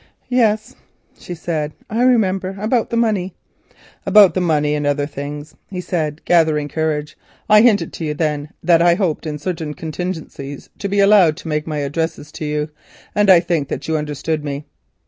"Yes," she said, "I remember—about the money." "About the money and other things," he said, gathering courage. "I hinted to you then that I hoped in certain contingencies to be allowed to make my addresses to you, and I think that you understood me."